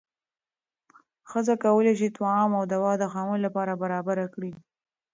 ښځه کولی شي طعام او دوا د خاوند لپاره برابره کړي.